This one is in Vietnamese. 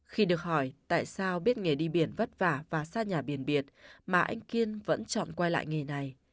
khi được hỏi tại sao biết nghề đi biển vất vả và xa nhà biển biệt mà anh kiên vẫn chọn quay lại nghề này